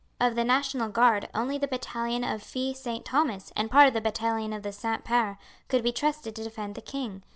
Of the National Guard only the battalion of Filles St. Thomas and part of the battalion of the Saints Pares could be trusted to defend the king.